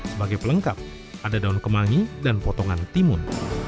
sebagai pelengkap ada daun kemangi dan potongan timun